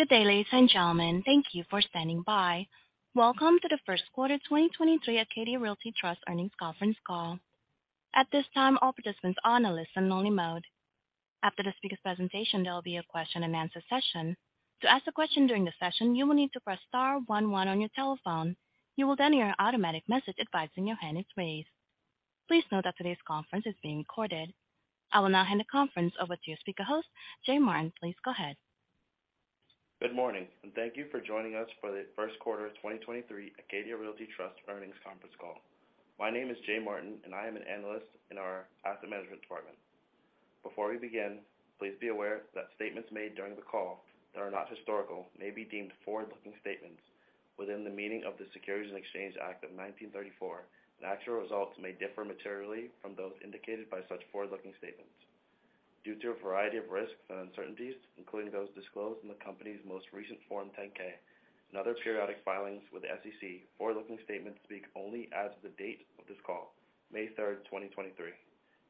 Good day, ladies and gentlemen. Thank you for standing by. Welcome to the First Quarter 2023 Acadia Realty Trust earnings conference call. At this time, all participants are on a listen only mode. After the speaker presentation, there'll be a question-and-answer session. To ask a question during the session, you will need to press star one one on your telephone. You will then hear an automatic message advising your hand is raised. Please note that today's conference is being recorded. I will now hand the conference over to your speaker host, Jay Martin. Please go ahead. Good morning, and thank you for joining us for the first quarter 2023 Acadia Realty Trust earnings conference call. My name is Jay Martin, and I am an analyst in our asset management department. Before we begin, please be aware that statements made during the call that are not historical may be deemed forward-looking statements within the meaning of the Securities Exchange Act of 1934, and actual results may differ materially from those indicated by such forward-looking statements. Due to a variety of risks and uncertainties, including those disclosed in the company's most recent Form 10-K and other periodic filings with the SEC, forward-looking statements speak only as of the date of this call, May 3rd, 2023,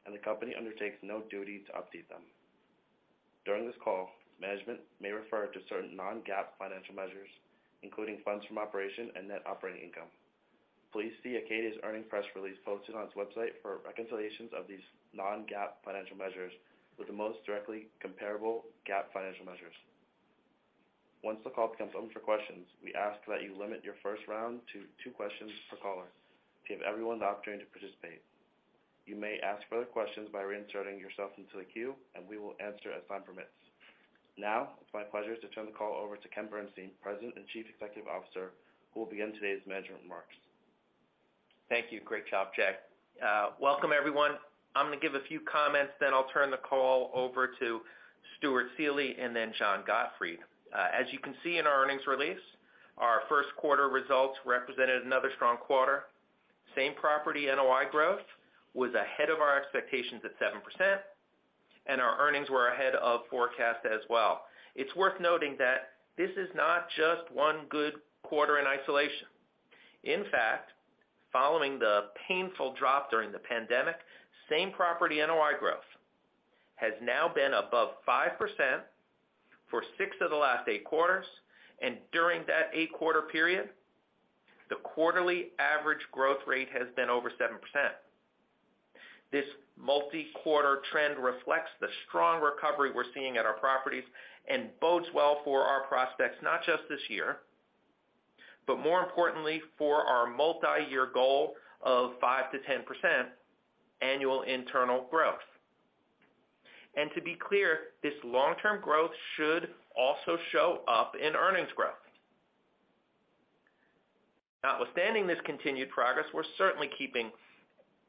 and the company undertakes no duty to update them. During this call, management may refer to certain non-GAAP financial measures, including funds from operation and net operating income. Please see Acadia's earnings press release posted on its website for reconciliations of these non-GAAP financial measures with the most directly comparable GAAP financial measures. Once the call becomes open for questions, we ask that you limit your first round to two questions per caller to give everyone the opportunity to participate. You may ask further questions by reinserting yourself into the queue, and we will answer as time permits. Now, it's my pleasure to turn the call over to Ken Bernstein, President and Chief Executive Officer, who will begin today's management remarks. Thank you. Great job, Jay. Welcome everyone. I'm gonna give a few comments then I'll turn the call over to Stuart Seeley and then John Gottfried. As you can see in our earnings release, our first quarter results represented another strong quarter. Same property NOI growth was ahead of our expectations at 7%. Our earnings were ahead of forecast as well. It's worth noting that this is not just one good quarter in isolation. Following the painful drop during the pandemic, same property NOI growth has now been above 5% for six of the last eight quarters. During that eight-quarter period, the quarterly average growth rate has been over 7%. This multi-quarter trend reflects the strong recovery we're seeing at our properties and bodes well for our prospects, not just this year, but more importantly for our multi-year goal of 5%-10% annual internal growth. To be clear, this long-term growth should also show up in earnings growth. Notwithstanding this continued progress, we're certainly keeping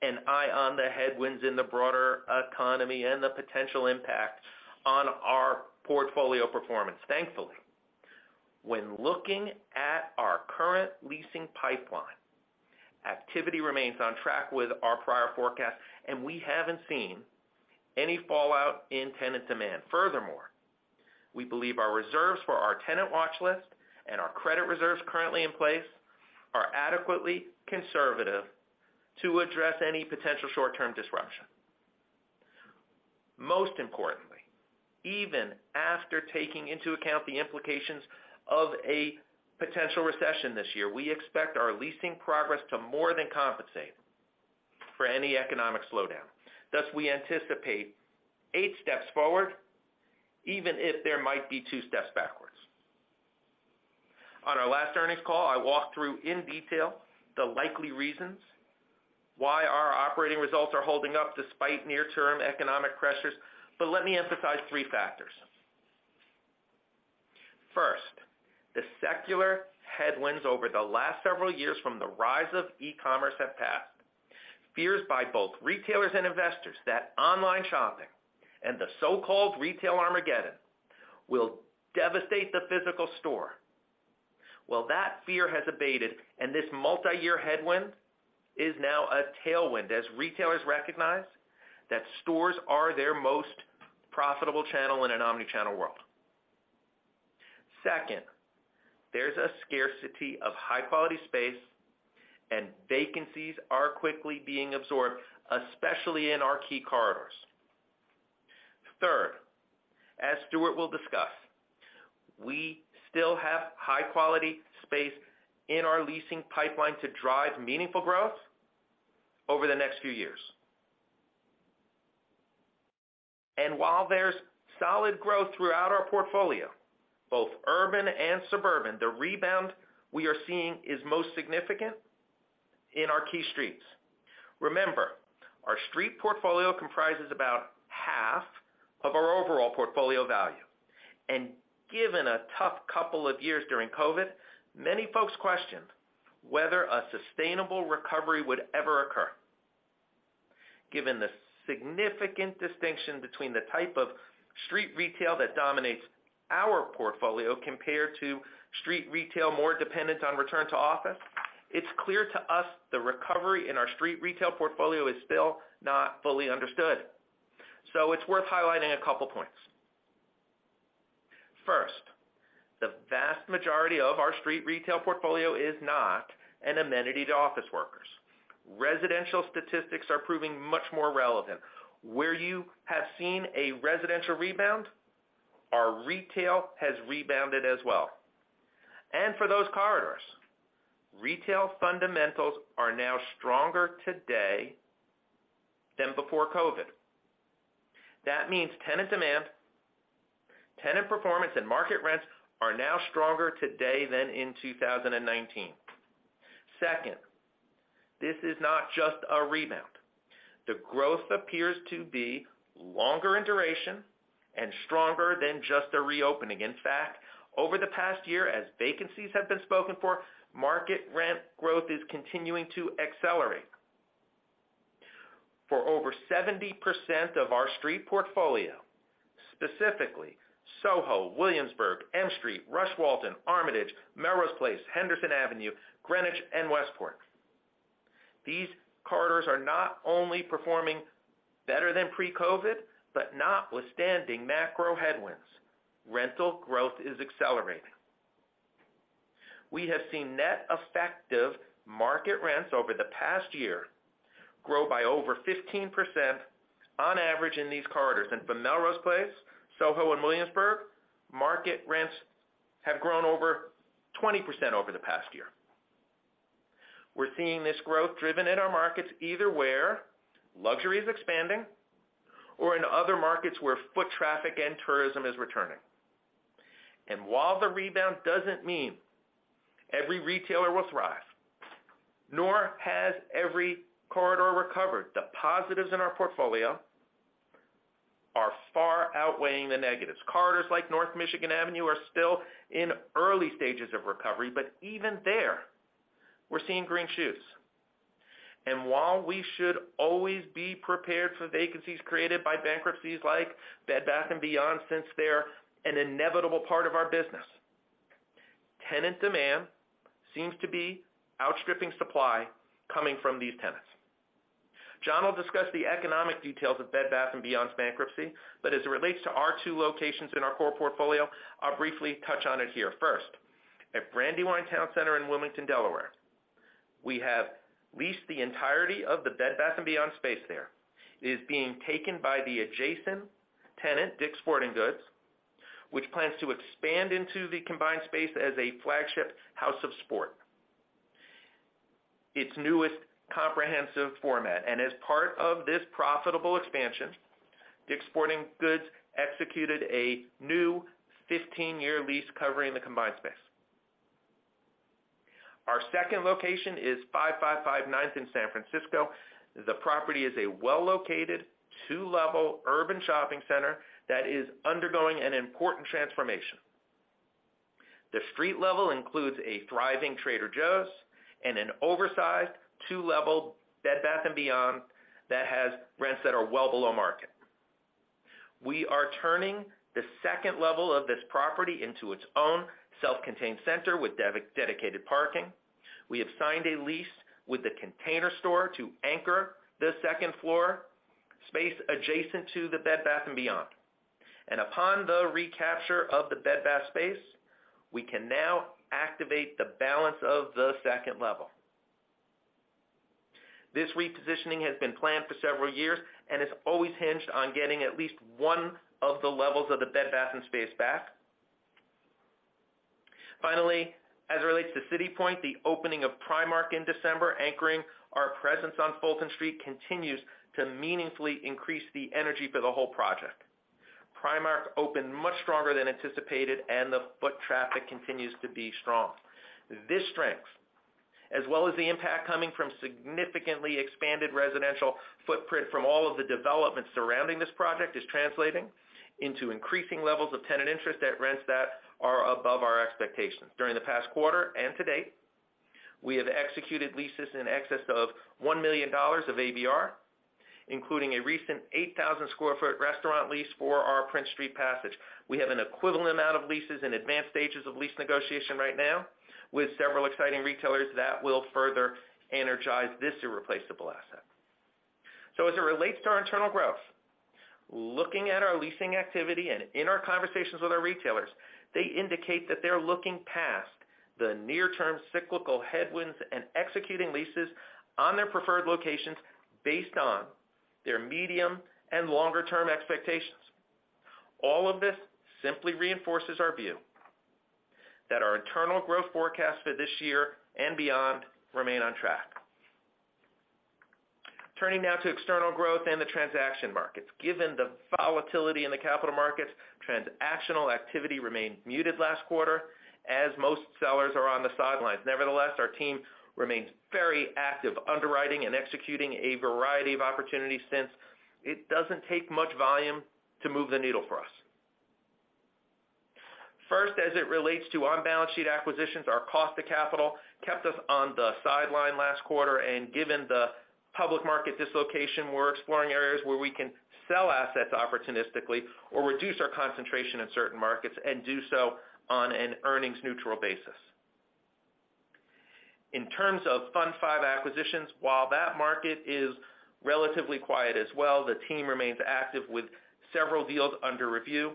an eye on the headwinds in the broader economy and the potential impact on our portfolio performance. Thankfully, when looking at our current leasing pipeline, activity remains on track with our prior forecast, and we haven't seen any fallout in tenant demand. Furthermore, we believe our reserves for our tenant watch list and our credit reserves currently in place are adequately conservative to address any potential short-term disruption. Most importantly, even after taking into account the implications of a potential recession this year, we expect our leasing progress to more than compensate for any economic slowdown. Thus, we anticipate eight steps forward, even if there might be two steps backwards. On our last earnings call, I walked through in detail the likely reasons why our operating results are holding up despite near-term economic pressures. Let me emphasize three factors. First, the secular headwinds over the last several years from the rise of e-commerce have passed. Fears by both retailers and investors that online shopping and the so-called retail Armageddon will devastate the physical store. Well, that fear has abated, and this multi-year headwind is now a tailwind as retailers recognize that stores are their most profitable channel in an omni-channel world. There's a scarcity of high-quality space, and vacancies are quickly being absorbed, especially in our key corridors. As Stuart will discuss, we still have high-quality space in our leasing pipeline to drive meaningful growth over the next few years. While there's solid growth throughout our portfolio, both urban and suburban, the rebound we are seeing is most significant in our key streets. Remember, our street portfolio comprises about half of our overall portfolio value. Given a tough couple of years during COVID, many folks questioned whether a sustainable recovery would ever occur. Given the significant distinction between the type of street retail that dominates our portfolio compared to street retail more dependent on return to office, it's clear to us the recovery in our street retail portfolio is still not fully understood. It's worth highlighting a couple points. First, the vast majority of our street retail portfolio is not an amenity to office workers. Residential statistics are proving much more relevant. Where you have seen a residential rebound, our retail has rebounded as well. For those corridors, retail fundamentals are now stronger today than before COVID. That means tenant demand, tenant performance, and market rents are now stronger today than in 2019. Second, this is not just a rebound. The growth appears to be longer in duration and stronger than just a reopening. In fact, over the past year, as vacancies have been spoken for, market rent growth is continuing to accelerate. For over 70% of our street portfolio, specifically SoHo, Williamsburg, M Street, Rush & Walton, Armitage, Melrose Place, Henderson Avenue, Greenwich, and Westport, these corridors are not only performing better than pre-COVID, but notwithstanding macro headwinds, rental growth is accelerating. We have seen net effective market rents over the past year grow by over 15% on average in these corridors. For Melrose Place, SoHo, and Williamsburg, market rents have grown over 20% over the past year. We're seeing this growth driven in our markets either where luxury is expanding or in other markets where foot traffic and tourism is returning. While the rebound doesn't mean every retailer will thrive, nor has every corridor recovered, the positives in our portfolio are far outweighing the negatives. Corridors like North Michigan Avenue are still in early stages of recovery. Even there we're seeing green shoots. While we should always be prepared for vacancies created by bankruptcies like Bed Bath & Beyond, since they're an inevitable part of our business, tenant demand seems to be outstripping supply coming from these tenants. John will discuss the economic details of Bed Bath & Beyond's bankruptcy, as it relates to our two locations in our core portfolio, I'll briefly touch on it here. First, at Brandywine Town Center in Wilmington, Delaware, we have leased the entirety of the Bed Bath & Beyond space there. It is being taken by the adjacent tenant, DICK's Sporting Goods, which plans to expand into the combined space as a flagship House of Sport, its newest comprehensive format. As part of this profitable expansion, DICK's Sporting Goods executed a new 15-year lease covering the combined space. Our second location is 555 Ninth in San Francisco. The property is a well-located, two-level urban shopping center that is undergoing an important transformation. The street level includes a thriving Trader Joe's and an oversized two-level Bed Bath & Beyond that has rents that are well below market. We are turning the second level of this property into its own self-contained center with dedicated parking. We have signed a lease with The Container Store to anchor the second floor space adjacent to the Bed Bath & Beyond. Upon the recapture of the Bed Bath space, we can now activate the balance of the second level. This repositioning has been planned for several years and has always hinged on getting at least one of the levels of the Bed Bath & space back. Finally, as it relates to City Point, the opening of Primark in December anchoring our presence on Fulton Street continues to meaningfully increase the energy for the whole project. Primark opened much stronger than anticipated, and the foot traffic continues to be strong. This strength, as well as the impact coming from significantly expanded residential footprint from all of the developments surrounding this project, is translating into increasing levels of tenant interest at rents that are above our expectations. During the past quarter and to date, we have executed leases in excess of $1 million of ABR, including a recent 8,000 sq ft restaurant lease for our Prince Street passage. We have an equivalent amount of leases in advanced stages of lease negotiation right now with several exciting retailers that will further energize this irreplaceable asset. As it relates to our internal growth, looking at our leasing activity and in our conversations with our retailers, they indicate that they're looking past the near-term cyclical headwinds and executing leases on their preferred locations based on their medium- and longer-term expectations. All of this simply reinforces our view that our internal growth forecast for this year and beyond remain on track. Turning now to external growth and the transaction markets. Given the volatility in the capital markets, transactional activity remained muted last quarter as most sellers are on the sidelines. Nevertheless, our team remains very active, underwriting and executing a variety of opportunities since it doesn't take much volume to move the needle for us. As it relates to on-balance-sheet acquisitions, our cost of capital kept us on the sideline last quarter, and given the public market dislocation, we're exploring areas where we can sell assets opportunistically or reduce our concentration in certain markets and do so on an earnings-neutral basis. In terms of Fund V acquisitions, while that market is relatively quiet as well, the team remains active with several deals under review.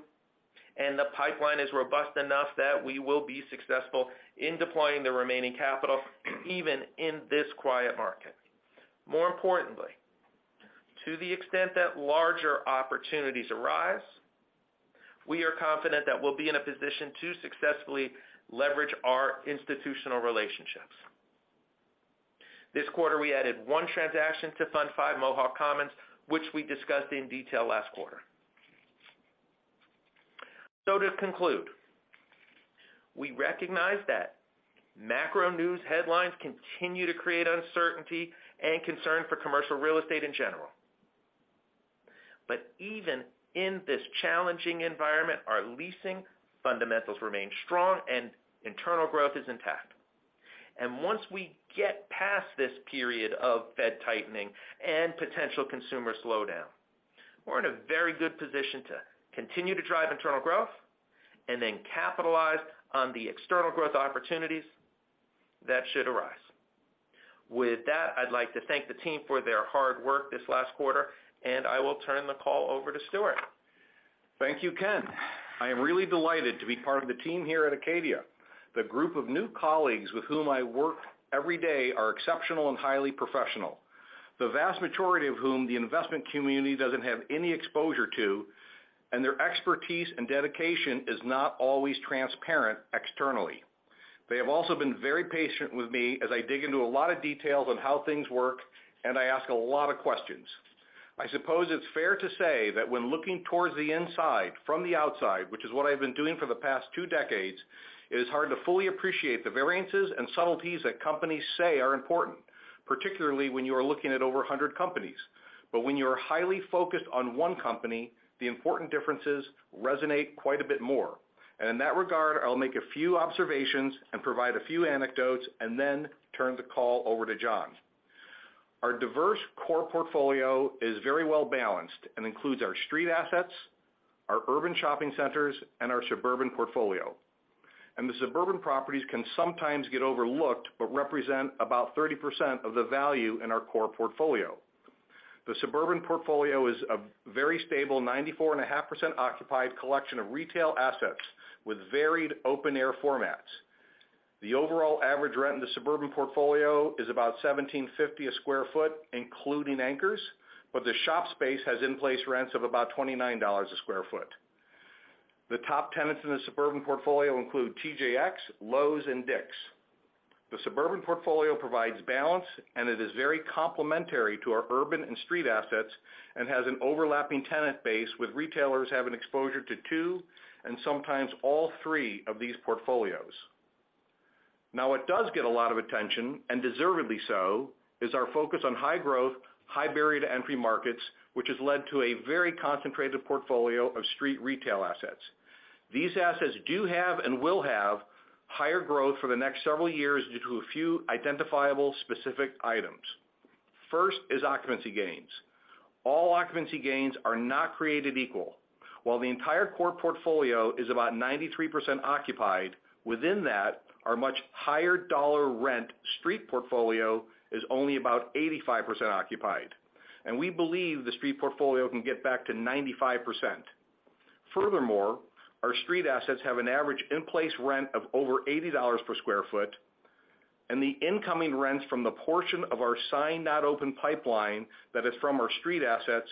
The pipeline is robust enough that we will be successful in deploying the remaining capital even in this quiet market. More importantly, to the extent that larger opportunities arise, we are confident that we'll be in a position to successfully leverage our institutional relationships. This quarter, we added one transaction to Fund V, Mohawk Commons, which we discussed in detail last quarter. To conclude, we recognize that macro news headlines continue to create uncertainty and concern for commercial real estate in general. Even in this challenging environment, our leasing fundamentals remain strong and internal growth is intact. Once we get past this period of Fed tightening and potential consumer slowdown, we're in a very good position to continue to drive internal growth and then capitalize on the external growth opportunities that should arise. With that, I'd like to thank the team for their hard work this last quarter, and I will turn the call over to Stuart. Thank you, Ken. I am really delighted to be part of the team here at Acadia. The group of new colleagues with whom I work every day are exceptional and highly professional, the vast majority of whom the investment community doesn't have any exposure to, and their expertise and dedication is not always transparent externally. They have also been very patient with me as I dig into a lot of details on how things work, and I ask a lot of questions. I suppose it's fair to say that when looking towards the inside from the outside, which is what I've been doing for the past two decades, it is hard to fully appreciate the variances and subtleties that companies say are important, particularly when you are looking at over 100 companies. When you are highly focused on one company, the important differences resonate quite a bit more. In that regard, I'll make a few observations and provide a few anecdotes and then turn the call over to John. Our diverse core portfolio is very well-balanced and includes our street assets, our urban shopping centers, and our suburban portfolio. The suburban properties can sometimes get overlooked but represent about 30% of the value in our core portfolio. The suburban portfolio is a very stable 94.5% occupied collection of retail assets with varied open air formats. The overall average rent in the suburban portfolio is about $17.50 a sq ft, including anchors, but the shop space has in-place rents of about $29 a sq ft. The top tenants in the suburban portfolio include TJX, Lowe's, and DICK's. The suburban portfolio provides balance, it is very complementary to our urban and street assets and has an overlapping tenant base with retailers having exposure to two and sometimes all three of these portfolios. What does get a lot of attention, and deservedly so, is our focus on high growth, high barrier to entry markets, which has led to a very concentrated portfolio of street retail assets. These assets do have and will have higher growth for the next several years due to a few identifiable specific items. First is occupancy gains. All occupancy gains are not created equal. While the entire core portfolio is about 93% occupied, within that, our much higher dollar rent street portfolio is only about 85% occupied. We believe the street portfolio can get back to 95%. Furthermore, our street assets have an average in-place rent of over $80 per square foot, and the incoming rents from the portion of our signed not open pipeline that is from our street assets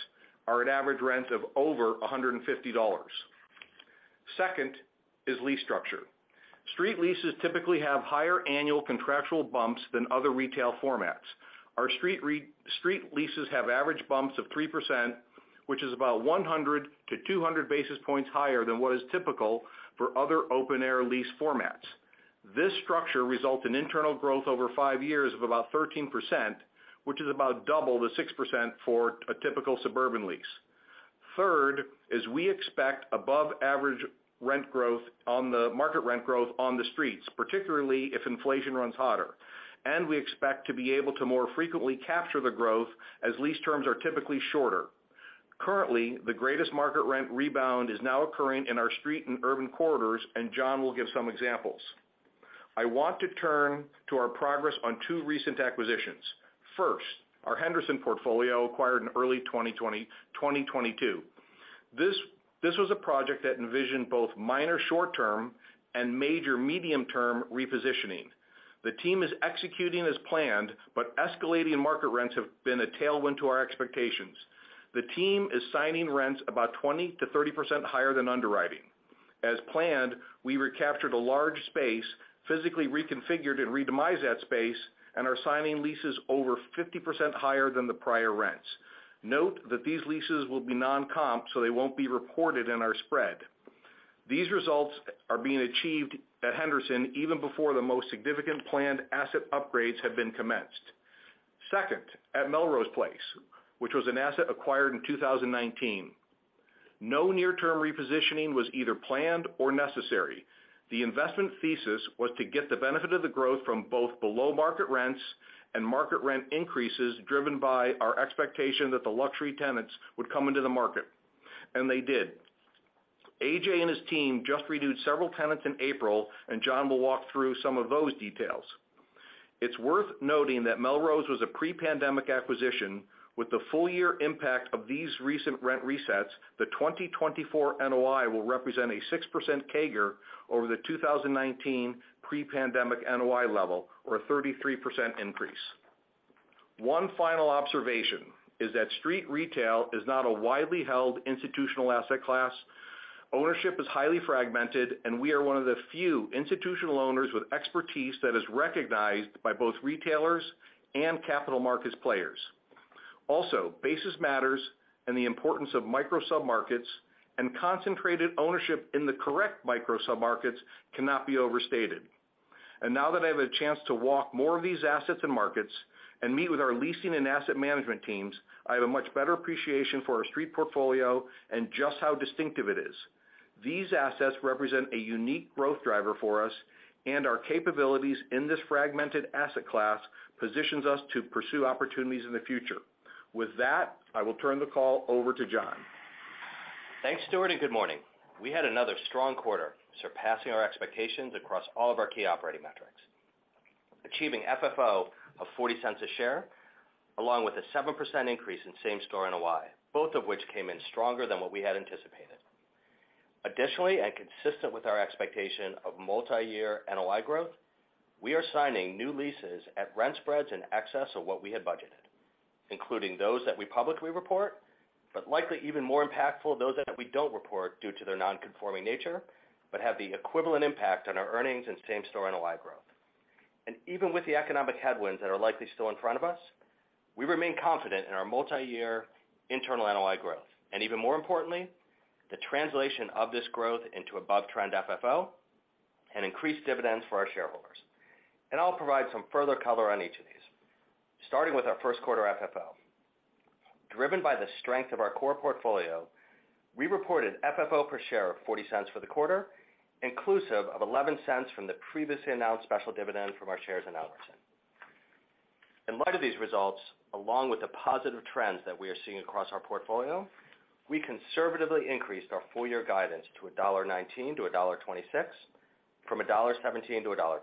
are at average rent of over $150. Second is lease structure. Street leases typically have higher annual contractual bumps than other retail formats. Our street leases have average bumps of 3%, which is about 100 to 200 basis points higher than what is typical for other open air lease formats. This structure results in internal growth over five years of about 13%, which is about double the 6% for a typical suburban lease. Third is we expect above average rent growth on the market rent growth on the streets, particularly if inflation runs hotter. We expect to be able to more frequently capture the growth as lease terms are typically shorter. Currently, the greatest market rent rebound is now occurring in our street and urban corridors. John will give some examples. I want to turn to our progress on two recent acquisitions. First, our Henderson portfolio acquired in early 2020-2022. This was a project that envisioned both minor short term and major medium term repositioning. The team is executing as planned. Escalating market rents have been a tailwind to our expectations. The team is signing rents about 20%-30% higher than underwriting. As planned, we recaptured a large space, physically reconfigured and redemised that space, and are signing leases over 50% higher than the prior rents. Note that these leases will be non-comp, so they won't be reported in our spread. These results are being achieved at Henderson even before the most significant planned asset upgrades have been commenced. Second, at Melrose Place, which was an asset acquired in 2019. No near-term repositioning was either planned or necessary. The investment thesis was to get the benefit of the growth from both below-market rents and market rent increases driven by our expectation that the luxury tenants would come into the market, and they did. A.J. and his team just renewed several tenants in April. John will walk through some of those details. It's worth noting that Melrose was a pre-pandemic acquisition with the full year impact of these recent rent resets. The 2024 NOI will represent a 6% CAGR over the 2019 pre-pandemic NOI level, or a 33% increase. One final observation is that street retail is not a widely held institutional asset class. Ownership is highly fragmented, and we are one of the few institutional owners with expertise that is recognized by both retailers and capital markets players. Basis matters and the importance of micro submarkets and concentrated ownership in the correct micro submarkets cannot be overstated. Now that I've had a chance to walk more of these assets and markets and meet with our leasing and asset management teams, I have a much better appreciation for our street portfolio and just how distinctive it is. These assets represent a unique growth driver for us, and our capabilities in this fragmented asset class positions us to pursue opportunities in the future. With that, I will turn the call over to John. Thanks, Stuart. Good morning. We had another strong quarter, surpassing our expectations across all of our key operating metrics, achieving FFO of $0.40 a share, along with a 7% increase in same-store NOI, both of which came in stronger than what we had anticipated. Additionally, consistent with our expectation of multi-year NOI growth, we are signing new leases at rent spreads in excess of what we had budgeted, including those that we publicly report, but likely even more impactful, those that we don't report due to their non-conforming nature, but have the equivalent impact on our earnings and same-store NOI growth. Even with the economic headwinds that are likely still in front of us, we remain confident in our multi-year internal NOI growth, and even more importantly, the translation of this growth into above-trend FFO and increased dividends for our shareholders. I'll provide some further color on each of these. Starting with our first quarter FFO. Driven by the strength of our core portfolio, we reported FFO per share of $0.40 for the quarter, inclusive of $0.11 from the previously announced special dividend from our shares in Albertsons. In light of these results, along with the positive trends that we are seeing across our portfolio, we conservatively increased our full year guidance to $1.19-$1.26, from $1.17-$1.20.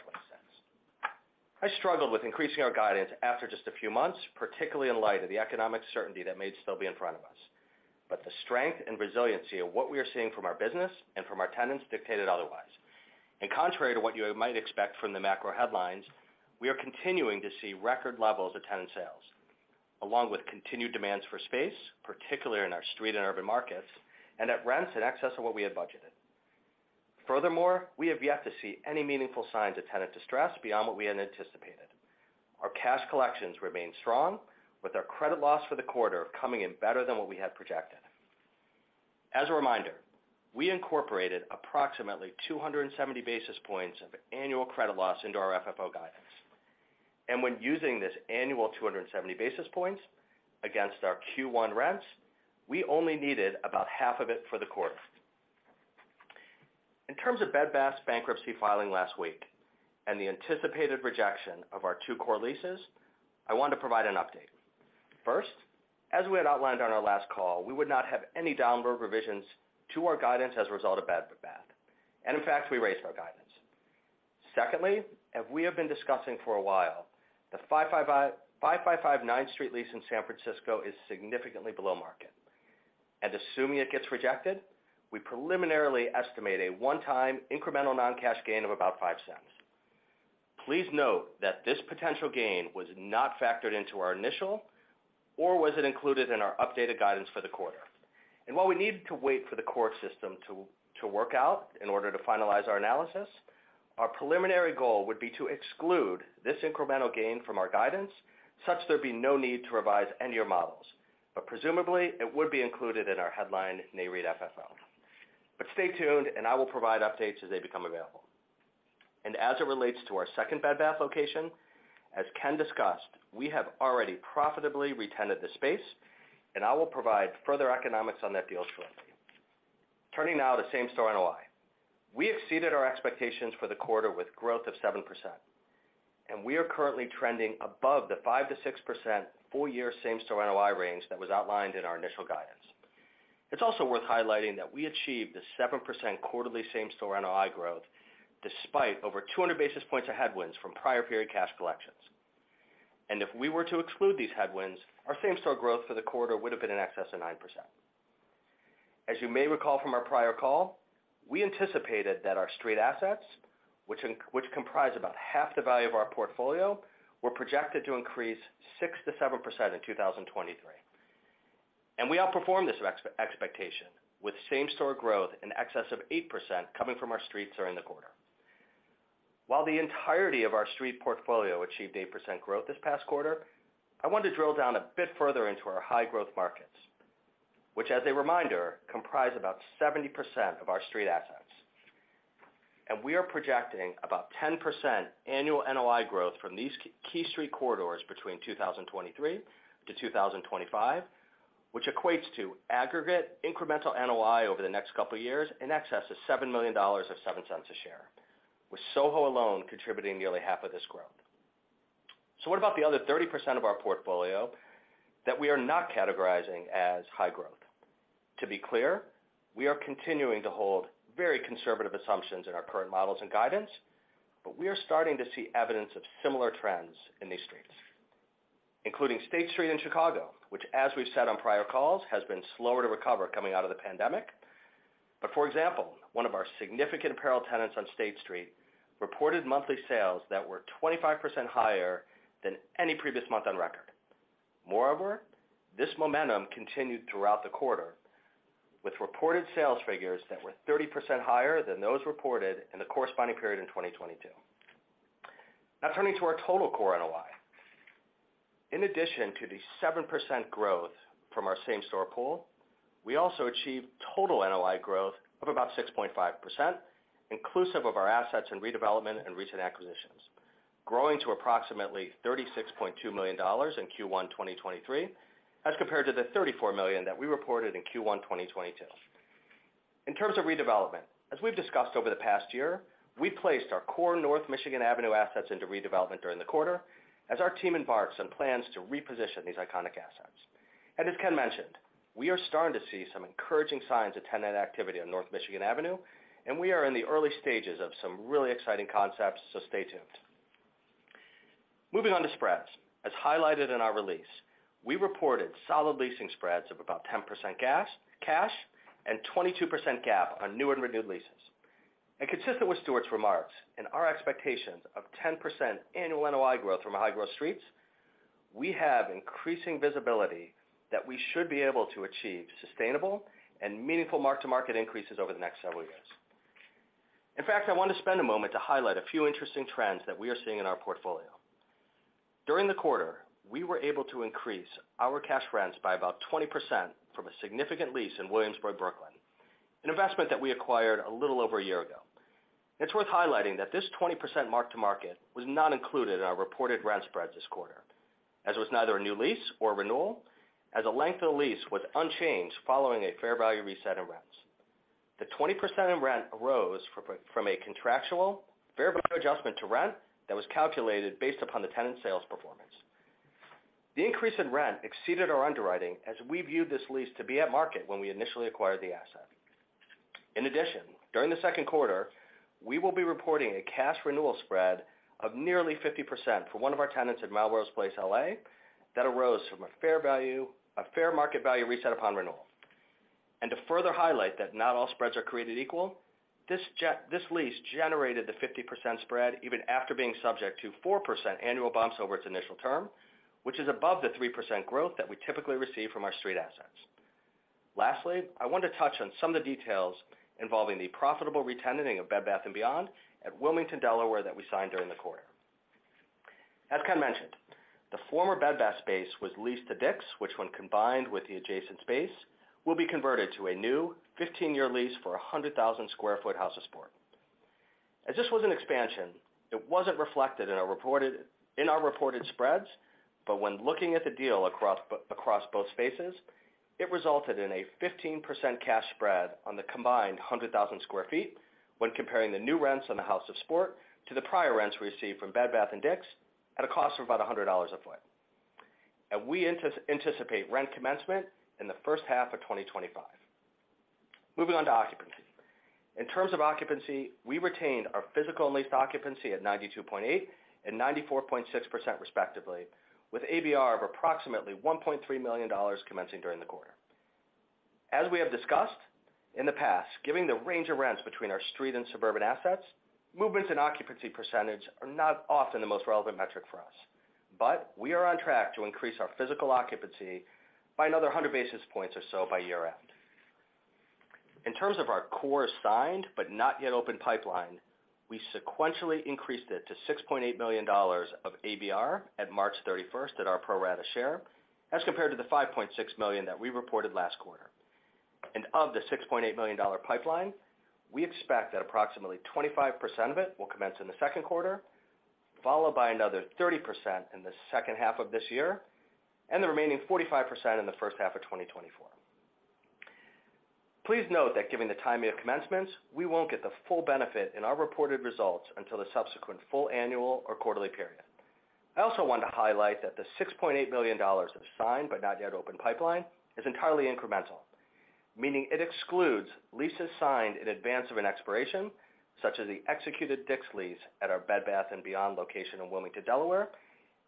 I struggled with increasing our guidance after just a few months, particularly in light of the economic certainty that may still be in front of us. The strength and resiliency of what we are seeing from our business and from our tenants dictated otherwise. Contrary to what you might expect from the macro headlines, we are continuing to see record levels of tenant sales, along with continued demands for space, particularly in our street and urban markets, and at rents in excess of what we had budgeted. Furthermore, we have yet to see any meaningful signs of tenant distress beyond what we had anticipated. Our cash collections remain strong, with our credit loss for the quarter coming in better than what we had projected. As a reminder, we incorporated approximately 270 basis points of annual credit loss into our FFO guidance. When using this annual 270 basis points against our Q1 rents, we only needed about half of it for the quarter. In terms of Bed Bath's bankruptcy filing last week and the anticipated rejection of our two core leases, I want to provide an update. First, as we had outlined on our last call, we would not have any downward revisions to our guidance as a result of Bed Bath. In fact, we raised our guidance. Secondly, as we have been discussing for a while, the 555 Ninth Street lease in San Francisco is significantly below market. Assuming it gets rejected, we preliminarily estimate a one-time incremental non-cash gain of about $0.05. Please note that this potential gain was not factored into our initial or was it included in our updated guidance for the quarter. While we need to wait for the court system to work out in order to finalize our analysis, our preliminary goal would be to exclude this incremental gain from our guidance, such there be no need to revise any of your models. Presumably, it would be included in our Headline NAREIT FFO. Stay tuned, and I will provide updates as they become available. As it relates to our second Bed Bath location, as Ken discussed, we have already profitably re-tenanted the space, and I will provide further economics on that deal shortly. Turning now to same-store NOI. We exceeded our expectations for the quarter with growth of 7%, and we are currently trending above the 5%-6% full-year same-store NOI range that was outlined in our initial guidance. It's also worth highlighting that we achieved the 7% quarterly same-store NOI growth despite over 200 basis points of headwinds from prior period cash collections. If we were to exclude these headwinds, our same-store growth for the quarter would have been in excess of 9%. As you may recall from our prior call, we anticipated that our street assets, which comprise about half the value of our portfolio, were projected to increase 6%-7% in 2023. We outperformed this expectation with same-store growth in excess of 8% coming from our streets during the quarter. While the entirety of our street portfolio achieved 8% growth this past quarter, I want to drill down a bit further into our high growth markets, which as a reminder, comprise about 70% of our street assets. We are projecting about 10% annual NOI growth from these key street corridors between 2023 to 2025, which equates to aggregate incremental NOI over the next couple of years in excess of $7 million or $0.07 a share, with SoHo alone contributing nearly half of this growth. What about the other 30% of our portfolio that we are not categorizing as high growth? To be clear, we are continuing to hold very conservative assumptions in our current models and guidance, but we are starting to see evidence of similar trends in these streets, including State Street in Chicago, which as we've said on prior calls, has been slower to recover coming out of the pandemic. For example, one of our significant apparel tenants on State Street reported monthly sales that were 25% higher than any previous month on record. Moreover, this momentum continued throughout the quarter with reported sales figures that were 30% higher than those reported in the corresponding period in 2022. Turning to our total core NOI. In addition to the 7% growth from our same-store pool, we also achieved total NOI growth of about 6.5%, inclusive of our assets and redevelopment and recent acquisitions, growing to approximately $36.2 million in Q1 2023, as compared to the $34 million that we reported in Q1 2022. In terms of redevelopment, as we've discussed over the past year, we placed our core North Michigan Avenue assets into redevelopment during the quarter as our team embarks on plans to reposition these iconic assets. As Ken mentioned, we are starting to see some encouraging signs of tenant activity on North Michigan Avenue, and we are in the early stages of some really exciting concepts, so stay tuned. Moving on to spreads. As highlighted in our release, we reported solid leasing spreads of about 10% cash and 22% GAAP on new and renewed leases. Consistent with Stuart's remarks and our expectations of 10% annual NOI growth from our high-growth streets, we have increasing visibility that we should be able to achieve sustainable and meaningful mark-to-market increases over the next several years. In fact, I want to spend a moment to highlight a few interesting trends that we are seeing in our portfolio. During the quarter, we were able to increase our cash rents by about 20% from a significant lease in Williamsburg, Brooklyn, an investment that we acquired a little over a year ago. It's worth highlighting that this 20% mark-to-market was not included in our reported rent spreads this quarter, as was neither a new lease or renewal, as the length of the lease was unchanged following a fair value reset in rents. The 20% in rent arose from a contractual fair value adjustment to rent that was calculated based upon the tenant's sales performance. The increase in rent exceeded our underwriting as we viewed this lease to be at market when we initially acquired the asset. In addition, during the second quarter, we will be reporting a cash renewal spread of nearly 50% for one of our tenants at Melrose Place, L.A., that arose from a fair market value reset upon renewal. To further highlight that not all spreads are created equal, this lease generated the 50% spread even after being subject to 4% annual bumps over its initial term, which is above the 3% growth that we typically receive from our street assets. Lastly, I want to touch on some of the details involving the profitable re-tenanting of Bed Bath & Beyond at Wilmington, Delaware, that we signed during the quarter. As Ken mentioned, the former Bed Bath space was leased to DICK's, which when combined with the adjacent space, will be converted to a new 15-year lease for a 100,000 sq ft House of Sport. As this was an expansion, it wasn't reflected in our reported spreads, but when looking at the deal across both spaces, it resulted in a 15% cash spread on the combined 100,000 sq ft when comparing the new rents on the House of Sport to the prior rents we received from Bed Bath and DICK's at a cost of about $100 a foot. We anticipate rent commencement in the first half of 2025. Moving on to occupancy. In terms of occupancy, we retained our physical and leased occupancy at 92.8 and 94.6% respectively, with ABR of approximately $1.3 million commencing during the quarter. As we have discussed in the past, given the range of rents between our street and suburban assets, movements in occupancy percentage are not often the most relevant metric for us. We are on track to increase our physical occupancy by another 100 basis points or so by year-end. In terms of our core signed, but not yet open pipeline, we sequentially increased it to $6.8 million of ABR at March 31st at our pro rata share, as compared to the $5.6 million that we reported last quarter. Of the $6.8 million pipeline, we expect that approximately 25% of it will commence in the second quarter, followed by another 30% in the second half of this year, and the remaining 45% in the first half of 2024. Please note that given the timing of commencements, we won't get the full benefit in our reported results until the subsequent full annual or quarterly period. I also want to highlight that the $6.8 million of signed, but not yet open pipeline, is entirely incremental, meaning it excludes leases signed in advance of an expiration, such as the executed DICK's lease at our Bed Bath & Beyond location in Wilmington, Delaware.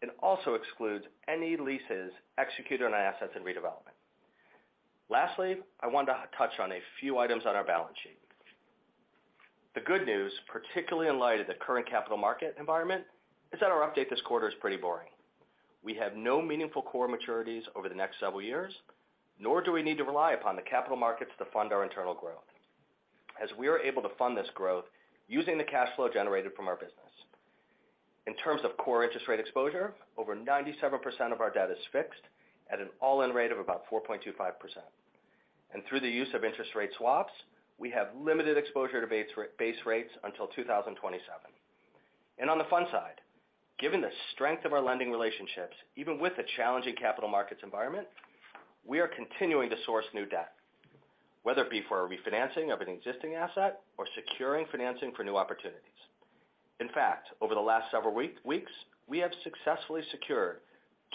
It also excludes any leases executed on our assets and redevelopment. Lastly, I want to touch on a few items on our balance sheet. The good news, particularly in light of the current capital market environment, is that our update this quarter is pretty boring. We have no meaningful core maturities over the next several years, nor do we need to rely upon the capital markets to fund our internal growth, as we are able to fund this growth using the cash flow generated from our business. In terms of core interest rate exposure, over 97% of our debt is fixed at an all-in rate of about 4.25%. Through the use of interest rate swaps, we have limited exposure to base rates until 2027. On the fund side, given the strength of our lending relationships, even with the challenging capital markets environment, we are continuing to source new debt, whether it be for a refinancing of an existing asset or securing financing for new opportunities. In fact, over the last several weeks, we have successfully secured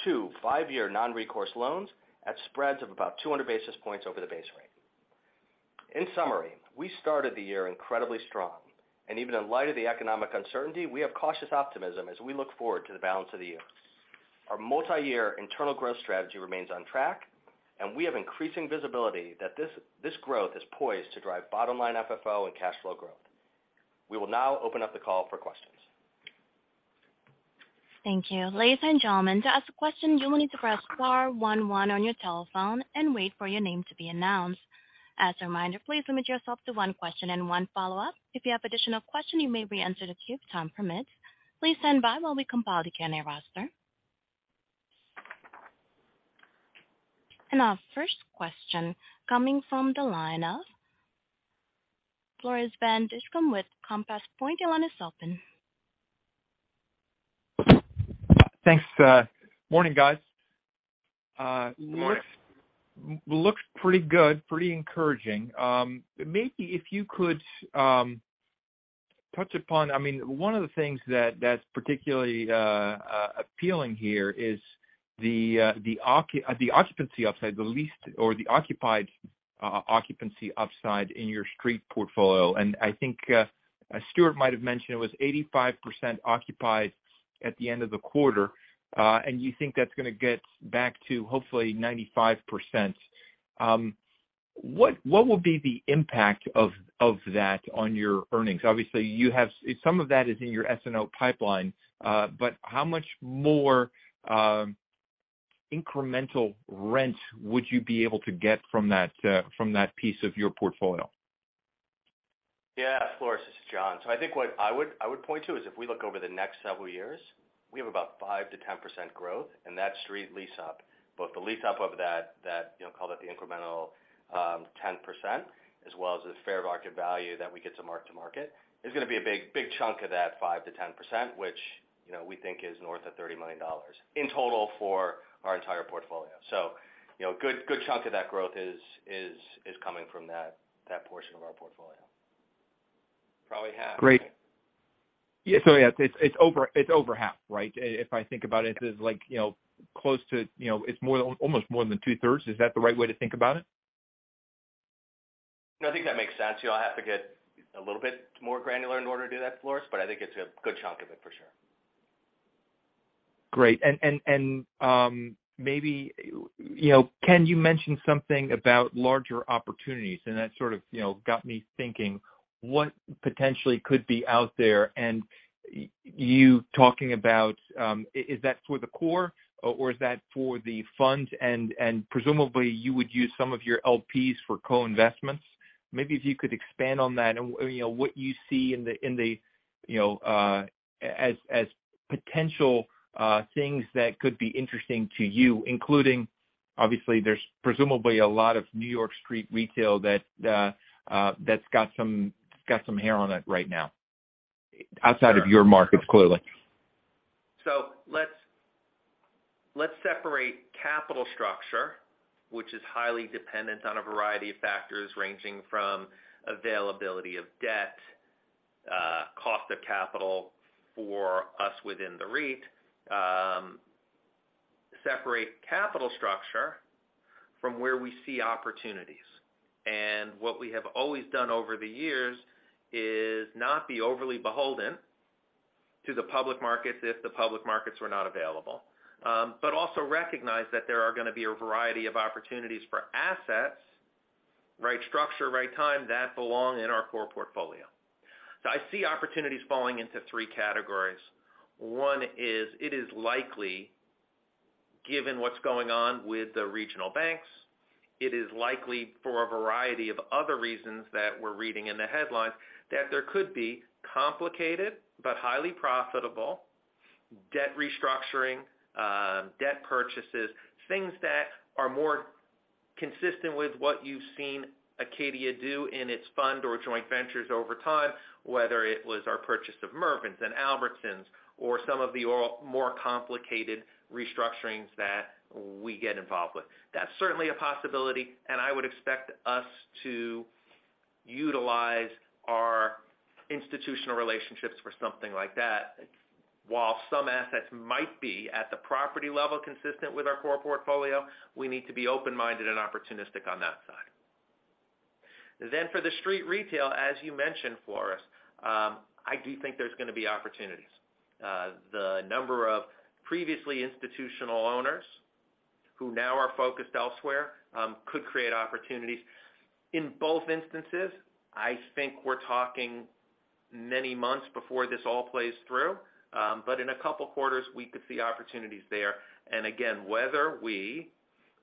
two five-year non-recourse loans at spreads of about 200 basis points over the base rate. In summary, we started the year incredibly strong. Even in light of the economic uncertainty, we have cautious optimism as we look forward to the balance of the year. Our multi-year internal growth strategy remains on track. We have increasing visibility that this growth is poised to drive bottom-line FFO and cash flow growth. We will now open up the call for questions. Thank you. Ladies and gentlemen, to ask a question, you will need to press star one one on your telephone and wait for your name to be announced. As a reminder, please limit yourself to one question and one follow-up. If you have additional question, you may reenter the queue if time permits. Please stand by while we compile the Q&A roster. Our first question coming from the line of Floris van Dijkum with Compass Point. Your line is open. Thanks. Morning, guys. Morning. It looks pretty good, pretty encouraging. Maybe if you could touch upon... I mean, one of the things that's particularly appealing here is the occupancy upside the leased or the occupied occupancy upside in your street portfolio. I think Stuart might have mentioned it was 85% occupied at the end of the quarter, and you think that's gonna get back to, hopefully 95%. What will be the impact of that on your earnings? Obviously, some of that is in your SNO pipeline, but how much more incremental rent would you be able to get from that piece of your portfolio? Yeah, Floris, this is John. I think what I would point to is if we look over the next several years, we have about 5%-10% growth, that's street lease up. Both the lease up of that, you know, call it the incremental, 10%, as well as the fair market value that we get to mark-to-market, is gonna be a big chunk of that 5%-10%, which, you know, we think is north of $30 million in total for our entire portfolio. You know, a good chunk of that growth is coming from that portion of our portfolio. Probably half. Great. Yeah. Yeah, it's over half, right? If I think about it's like, you know, close to, you know, almost more than 2/3. Is that the right way to think about it? No, I think that makes sense. You'll have to get a little bit more granular in order to do that, Floris, but I think it's a good chunk of it for sure. Great. And, maybe, you know, Ken, you mentioned something about larger opportunities, and that sort of, you know, got me thinking what potentially could be out there. You talking about, is that for the core or is that for the funds? Presumably you would use some of your LPs for co-investments. Maybe if you could expand on that and, you know, what you see in the, you know, as potential things that could be interesting to you, including obviously there's presumably a lot of New York street retail that's got some hair on it right now, outside of your markets, clearly. Let's separate capital structure, which is highly dependent on a variety of factors ranging from availability of debt, cost of capital for us within the REIT, separate capital structure from where we see opportunities. What we have always done over the years is not be overly beholden to the public markets if the public markets were not available. Also recognize that there are gonna be a variety of opportunities for assets, right structure, right time that belong in our core portfolio. I see opportunities falling into three categories. One is, it is likely, given what's going on with the regional banks, it is likely for a variety of other reasons that we're reading in the headlines, that there could be complicated but highly profitable debt restructuring, debt purchases, things that are more consistent with what you've seen Acadia do in its fund or joint ventures over time, whether it was our purchase of Mervyn's and Albertsons or some of the more complicated restructurings that we get involved with. That's certainly a possibility, and I would expect us to utilize our institutional relationships for something like that. While some assets might be at the property level consistent with our core portfolio, we need to be open-minded and opportunistic on that side. For the street retail, as you mentioned, Floris, I do think there's gonna be opportunities. The number of previously institutional owners who now are focused elsewhere, could create opportunities. In both instances, I think we're talking many months before this all plays through. But in a couple quarters, we could see opportunities there. Whether we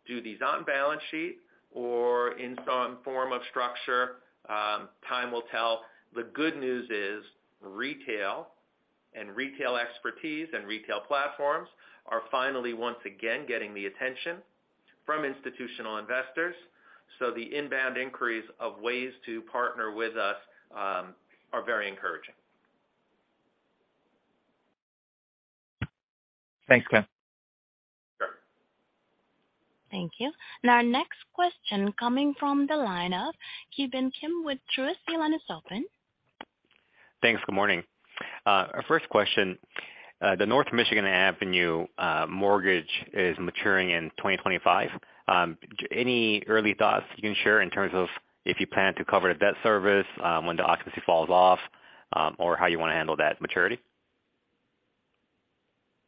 do these on-balance sheet or in some form of structure, time will tell. The good news is retail and retail expertise and retail platforms are finally once again getting the attention from institutional investors. The inbound inquiries of ways to partner with us, are very encouraging. Thanks, Ken. Thank you. Our next question coming from the line of Ki Bin Kim with Truist. Your line is open. Thanks. Good morning. Our first question, the North Michigan Avenue mortgage is maturing in 2025. Any early thoughts you can share in terms of if you plan to cover the debt service, when the occupancy falls off, or how you want to handle that maturity?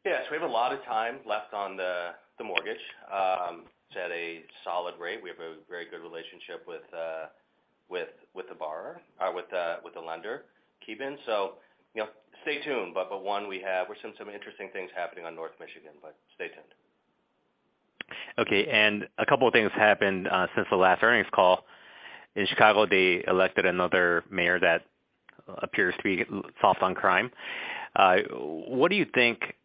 Yes, we have a lot of time left on the mortgage. It's at a solid rate. We have a very good relationship with the borrower or with the lender keeping. You know, stay tuned. One we're seeing some interesting things happening on North Michigan, but stay tuned. Okay. A couple of things happened since the last earnings call. In Chicago, they elected another mayor that appears to be soft on crime. What do you think?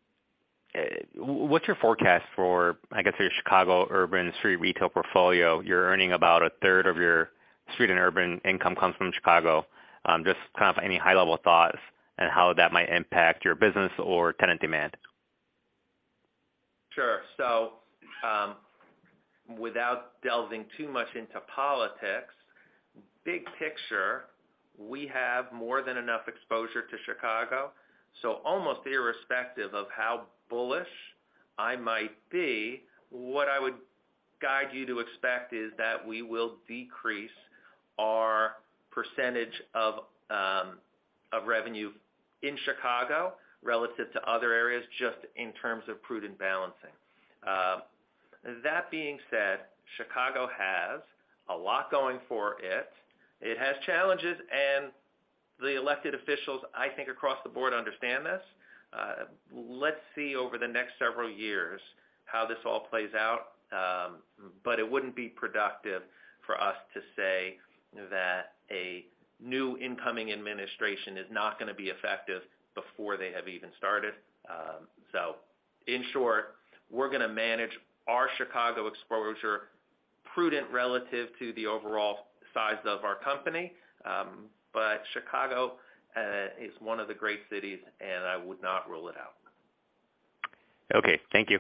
What's your forecast for, I guess, your Chicago urban street retail portfolio? You're earning about 1/3 of your street and urban income comes from Chicago. Just kind of any high-level thoughts on how that might impact your business or tenant demand. Sure. Without delving too much into politics, big picture, we have more than enough exposure to Chicago. Almost irrespective of how bullish I might be, what I would guide you to expect is that we will decrease our percentage of revenue in Chicago relative to other areas, just in terms of prudent balancing. That being said, Chicago has a lot going for it. It has challenges. The elected officials, I think, across the board understand this. Let's see over the next several years how this all plays out. It wouldn't be productive for us to say that a new incoming administration is not going to be effective before they have even started. In short, we're going to manage our Chicago exposure prudent relative to the overall size of our company. Chicago is one of the great cities, and I would not rule it out. Okay, thank you.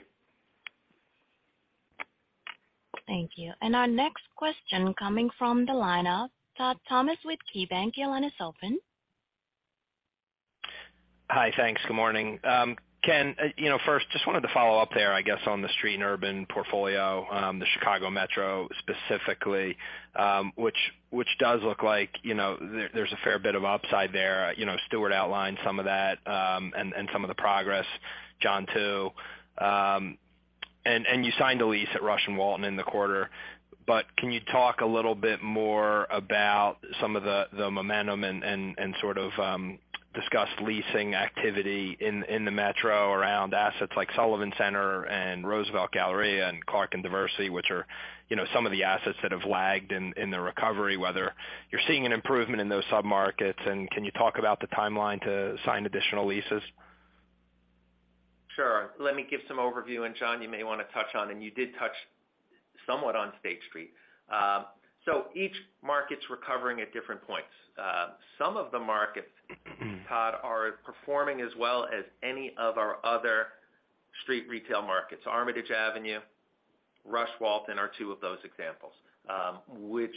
Thank you. Our next question coming from the line of Todd Thomas with KeyBanc. Your line is open. Hi. Thanks. Good morning. Ken, you know, first, just wanted to follow up there, I guess, on the street and urban portfolio, the Chicago Metro specifically, which does look like, you know, there's a fair bit of upside there. You know, Stuart outlined some of that, and some of the progress, John too. You signed a lease at Rush & Walton in the quarter. Can you talk a little bit more about some of the momentum and sort of discuss leasing activity in the Metro around assets like Sullivan Center and Roosevelt Collection and Clark and Diversey, which are, you know, some of the assets that have lagged in the recovery, whether you're seeing an improvement in those sub-markets, and can you talk about the timeline to sign additional leases? Sure. Let me give some overview, John, you may wanna touch on, and you did touch somewhat on State Street. Each market's recovering at different points. Some of the markets, Todd, are performing as well as any of our other street retail markets. Armitage Avenue, Rush Walton are two of those examples, which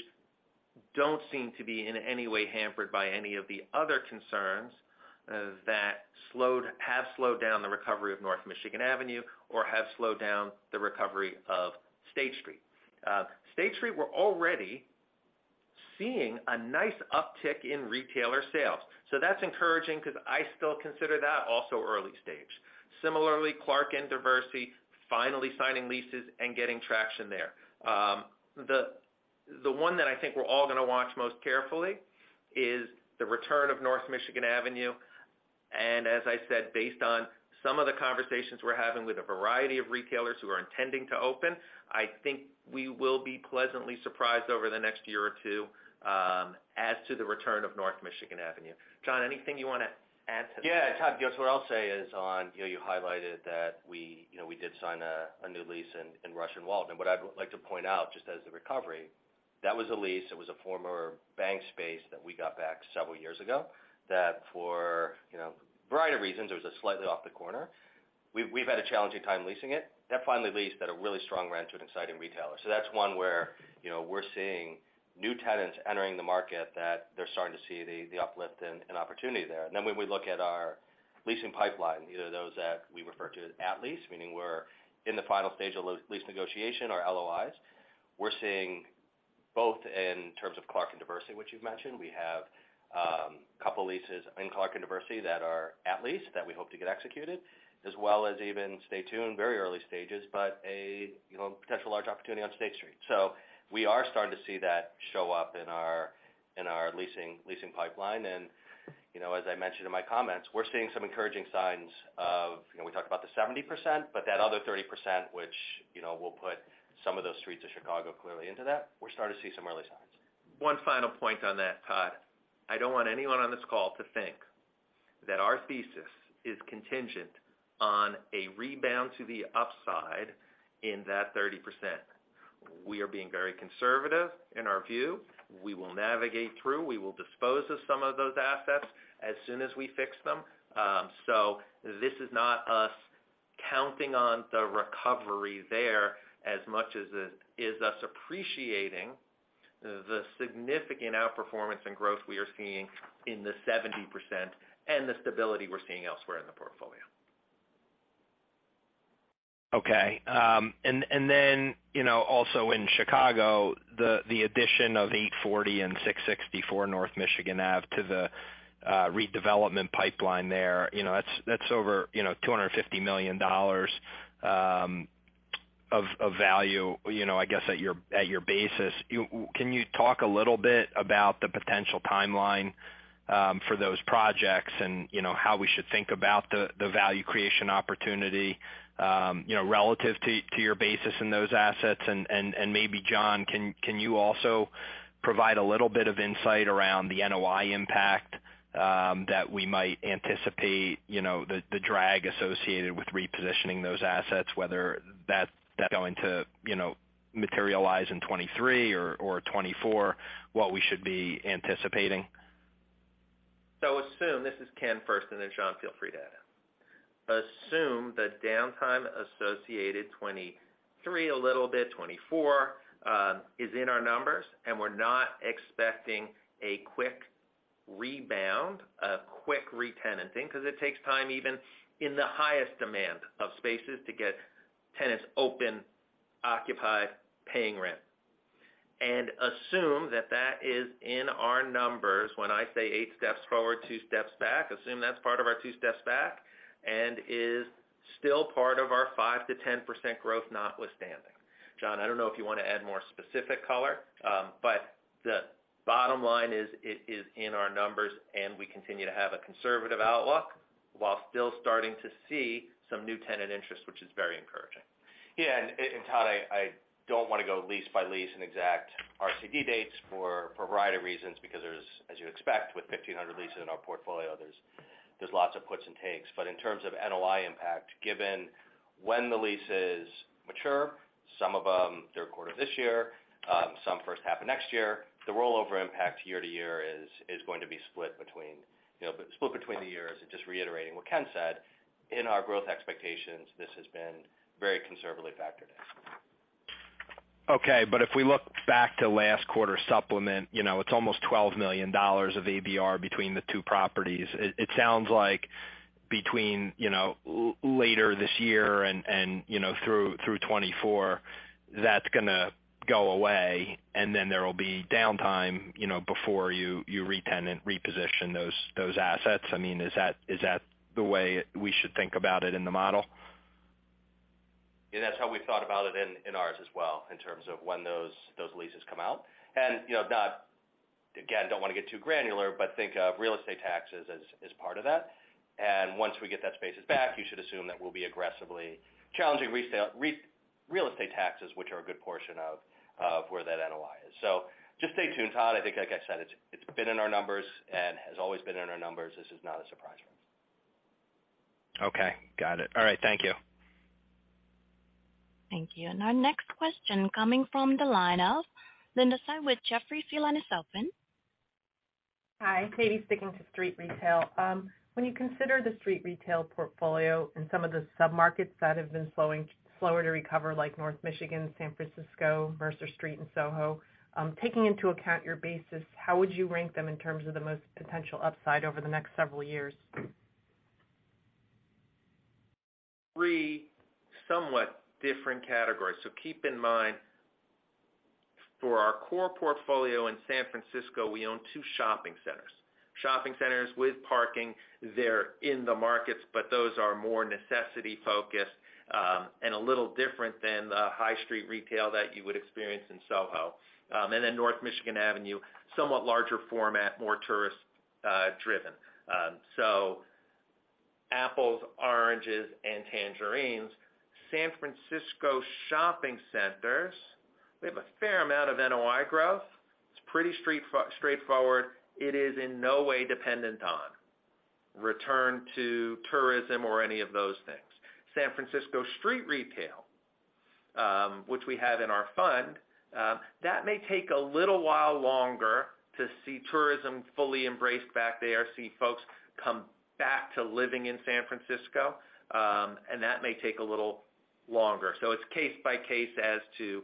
don't seem to be in any way hampered by any of the other concerns, that have slowed down the recovery of North Michigan Avenue or have slowed down the recovery of State Street. State Street, we're already seeing a nice uptick in retailer sales, that's encouraging 'cause I still consider that also early stage. Similarly, Clark and Diversey finally signing leases and getting traction there. The one that I think we're all gonna watch most carefully is the return of North Michigan Avenue. As I said, based on some of the conversations we're having with a variety of retailers who are intending to open, I think we will be pleasantly surprised over the next year or two, as to the return of North Michigan Avenue. John, anything you wanna add to that? Todd, guess what I'll say is on, you know, you highlighted that we, you know, we did sign a new lease in Rush & Walton. What I'd like to point out just as the recovery, that was a lease, it was a former bank space that we got back several years ago. That for, you know, a variety of reasons, it was a slightly off the corner. We've had a challenging time leasing it. That finally leased at a really strong rent to an exciting retailer. That's one where, you know, we're seeing new tenants entering the market that they're starting to see the uplift and opportunity there. When we look at our leasing pipeline, you know, those that we refer to as at lease, meaning we're in the final stage of lease negotiation or LOIs. We're seeing both in terms of Clark and Diversey, which you've mentioned. We have a couple of leases in Clark and Diversey that are at lease, that we hope to get executed, as well as even stay tuned, very early stages, but you know, potential large opportunity on State Street. We are starting to see that show up in our, in our leasing pipeline. You know, as I mentioned in my comments, we're seeing some encouraging signs of, you know, we talked about the 70%, but that other 30%, which, you know, we'll put some of those streets of Chicago clearly into that. We're starting to see some early signs. One final point on that, Todd. I don't want anyone on this call to think that our thesis is contingent on a rebound to the upside in that 30%. We are being very conservative in our view. We will navigate through. We will dispose of some of those assets as soon as we fix them. This is not us counting on the recovery there as much as it is us appreciating the significant outperformance and growth we are seeing in the 70% and the stability we're seeing elsewhere in the portfolio. Okay. Then, you know, also in Chicago, the addition of 840 and 664 North Michigan Avenue to the redevelopment pipeline there, you know, that's over, you know, $250 million of value, you know, I guess at your basis. Can you talk a little bit about the potential timeline for those projects and, you know, how we should think about the value creation opportunity, you know, relative to your basis in those assets? Maybe John, can you also provide a little bit of insight around the NOI impact that we might anticipate, you know, the drag associated with repositioning those assets, whether that's going to, you know, materialize in 2023 or 2024, what we should be anticipating. Assume, this is Ken first, and then John, feel free to add in. Assume the downtime associated 2023 a little bit, 2024, is in our numbers, and we're not expecting a quick rebound, a quick retenanting because it takes time even in the highest demand of spaces to get tenants open, occupied, paying rent. Assume that that is in our numbers when I say eight steps forward, two steps back. Assume that's part of our two steps back and is still part of our 5%-10% growth notwithstanding. John, I don't know if you want to add more specific color, but the bottom line is, it is in our numbers, and we continue to have a conservative outlook while still starting to see some new tenant interest, which is very encouraging. Yeah. Todd, I don't wanna go lease by lease and exact RCD dates for a variety of reasons because there's, as you expect, with 1,500 leases in our portfolio, there's lots of puts and takes. In terms of NOI impact, given when the leases mature, some of them third quarter this year, some first half of next year, the rollover impact year to year is going to be split between, you know, split between the years. Just reiterating what Ken said, in our growth expectations, this has been very conservatively factored in. If we look back to last quarter supplement, you know, it's almost $12 million of ABR between the two properties. It sounds like between, you know, later this year and, you know, through 2024, that's gonna go away, and then there will be downtime, you know, before you retenant, reposition those assets. I mean, is that the way we should think about it in the model? Yeah, that's how we thought about it in ours as well in terms of when those leases come out. You know, again, don't wanna get too granular, but think of real estate taxes as part of that. Once we get that spaces back, you should assume that we'll be aggressively challenging real estate taxes, which are a good portion of where that NOI is. Just stay tuned, Todd. I think like I said, it's been in our numbers and has always been in our numbers. This is not a surprise for us. Okay. Got it. All right. Thank you. Thank you. Our next question coming from the line of Linda Tsai with Jefferies. Your line is open. Hi. Can I speak into street retail. When you consider the street retail portfolio and some of the sub-markets that have been slower to recover, like North Michigan, San Francisco, Mercer Street and SoHo, taking into account your basis, how would you rank them in terms of the most potential upside over the next several years? Three somewhat different categories. Keep in mind, for our core portfolio in San Francisco, we own two shopping centers. Shopping centers with parking. They're in the markets, but those are more necessity-focused, and a little different than the high street retail that you would experience in SoHo. Then North Michigan Avenue, somewhat larger format, more tourist driven. Apples, oranges, and tangerines. San Francisco shopping centers, we have a fair amount of NOI growth. It's pretty straightforward. It is in no way dependent on return to tourism or any of those things. San Francisco street retail, which we have in our fund, that may take a little while longer to see tourism fully embraced back there, see folks come back to living in San Francisco, and that may take a little longer. It's case by case as to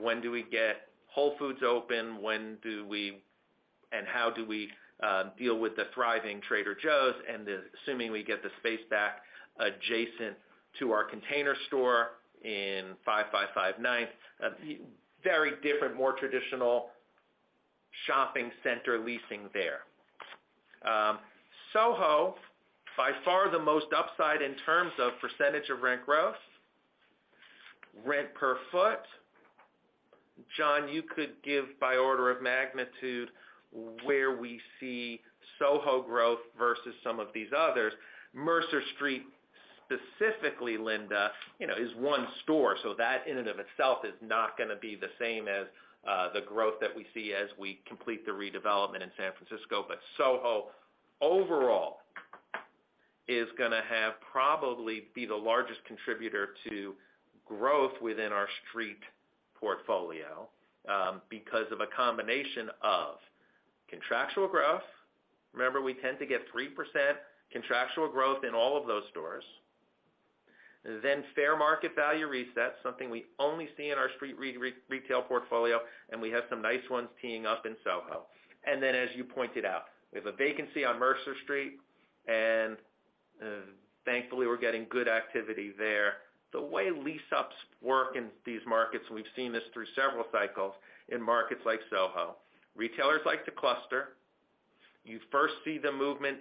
when do we get Whole Foods open, when do we and how do we deal with the thriving Trader Joe's, and then assuming we get the space back adjacent to our The Container Store in 555 Ninth. Very different, more traditional shopping center leasing there. SoHo, by far the most upside in terms of percentage of rent growth, rent per foot. John, you could give by order of magnitude where we see SoHo growth versus some of these others. Mercer Street, specifically, Linda, you know, is one store. That in and of itself is not gonna be the same as the growth that we see as we complete the redevelopment in San Francisco. SoHo overall is gonna have probably be the largest contributor to growth within our street portfolio, because of a combination of contractual growth. Remember, we tend to get 3% contractual growth in all of those stores. Fair market value resets, something we only see in our street retail portfolio, and we have some nice ones teeing up in SoHo. As you pointed out, we have a vacancy on Mercer Street, and thankfully, we're getting good activity there. The way lease-ups work in these markets, we've seen this through several cycles in markets like SoHo. Retailers like to cluster. You first see the movement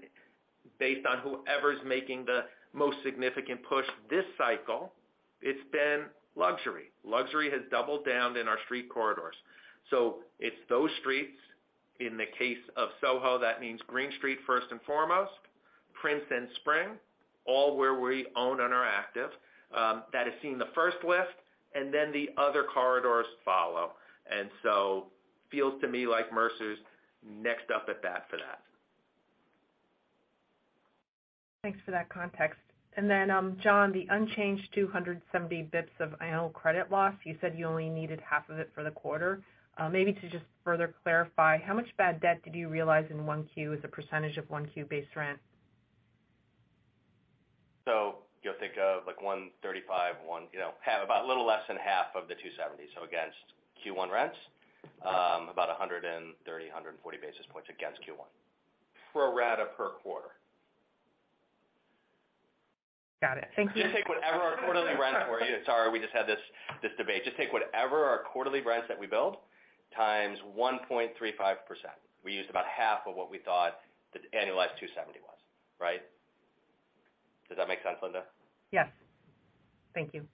based on whoever's making the most significant push. This cycle, it's been luxury. Luxury has doubled down in our street corridors. It's those streets. In the case of SoHo, that means Green Street, first and foremost, Prince and Spring, all where we own and are active, that have seen the first lift, and the other corridors follow. feels to me like Mercer's next up at bat for that. Thanks for that context. John, the unchanged 270 BPS of annual credit loss, you said you only needed half of it for the quarter. Maybe to just further clarify, how much bad debt did you realize in 1Q as a percentage of 1Q base rent? You'll think of like $135, you know, about a little less than half of the $270. Against Q1 rents, about 130, 140 basis points against Q1, pro rata per quarter. Got it. Thank you. Just take whatever our quarterly rents were year. Sorry, we just had this debate. Just take whatever our quarterly rents that we build x 1.35%. We used about half of what we thought the annualized $270 was, right? Does that make sense, Linda? Yes. Thank you.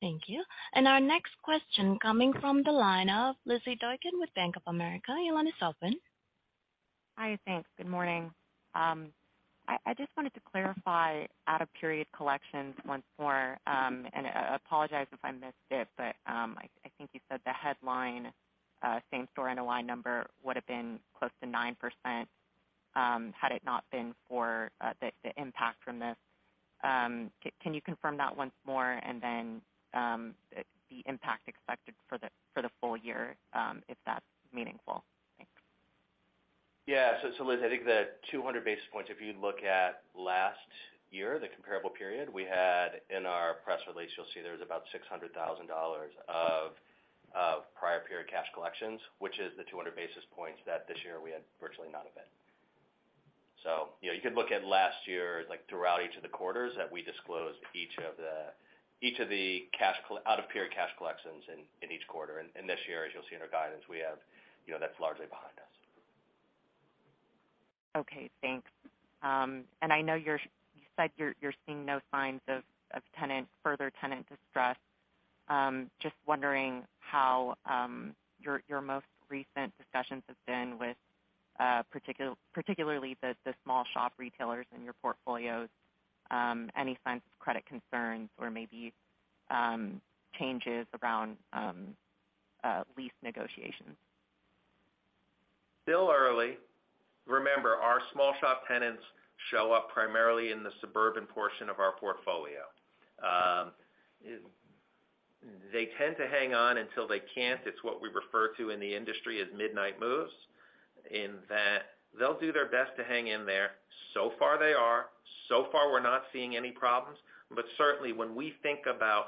Thank you. Our next question coming from the line of Lizzie Doykan with Bank of America. Your line is open. Hi. Thanks. Good morning. I just wanted to clarify out-of-period collections once more. I apologize if I missed it, but I think you said the headline same-store NOI number would have been close to 9% had it not been for the impact from this. Can you confirm that once more? The impact expected for the full year, if that's meaningful. Thanks. Yeah. Liz, I think the 200 basis points, if you look at last year, the comparable period, we had in our press release, you'll see there was about $600,000 of prior period cash collections, which is the 200 basis points that this year we had virtually none of it. You know, you could look at last year's, like, throughout each of the quarters that we disclosed each of the out-of-period cash collections in each quarter. This year, as you'll see in our guidance, we have, you know, that's largely behind us. Okay, thanks. I know you said you're seeing no signs of further tenant distress. Just wondering how your most recent discussions have been with particularly the small shop retailers in your portfolios, any signs of credit concerns or maybe changes around lease negotiations? Still early. Remember, our small shop tenants show up primarily in the suburban portion of our portfolio. They tend to hang on until they can't. It's what we refer to in the industry as midnight moves, in that they'll do their best to hang in there. So far they are. So far, we're not seeing any problems. Certainly when we think about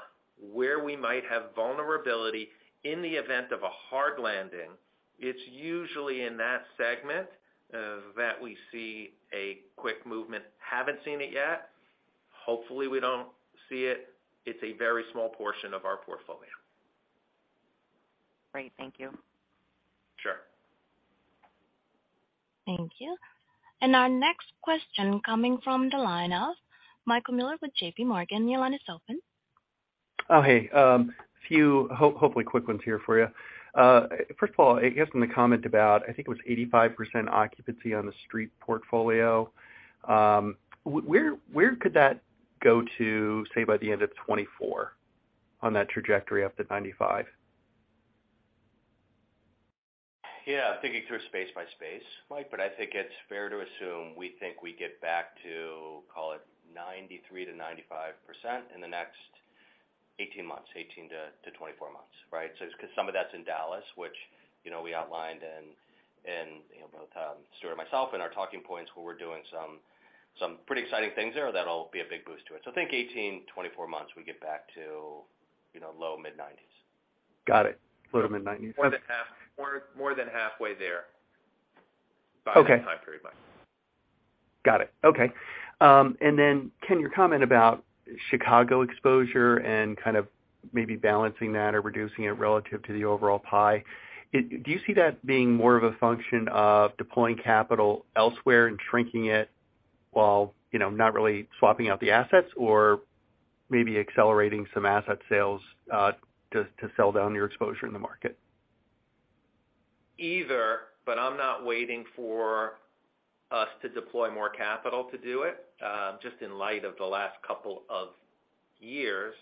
where we might have vulnerability in the event of a hard landing, it's usually in that segment, that we see a quick movement. Haven't seen it yet. Hopefully, we don't see it. It's a very small portion of our portfolio. Great. Thank you. Sure. Thank you. Our next question coming from the line of Michael Mueller with JPMorgan. Your line is open. Oh, hey. A few hopefully quick ones here for you. First of all, I guess in the comment about, I think it was 85% occupancy on the street portfolio, where could that go to, say, by the end of 2024 on that trajectory up to 95%? I'm thinking through space by space, Mike. I think it's fair to assume we think we get back to call it 93%-95% in the next 18 months, 18-24 months, right? 'Cause some of that's in Dallas, which, you know, we outlined in, you know, both Stuart and myself in our talking points where we're doing some pretty exciting things there that'll be a big boost to it. I think 18-24 months, we get back to, you know, low mid 90s. Got it. Low to mid-nineties. More than halfway there. Okay. By that time period, Mike. Got it. Okay. Can you comment about Chicago exposure and kind of maybe balancing that or reducing it relative to the overall pie? Do you see that being more of a function of deploying capital elsewhere and shrinking it while, you know, not really swapping out the assets or maybe accelerating some asset sales, to sell down your exposure in the market? Either, I'm not waiting for us to deploy more capital to do it, just in light of the last couple of years.